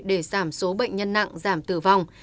để giảm số bệnh nhân nặng giảm tử vong